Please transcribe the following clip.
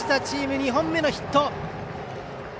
チーム２本目のヒット！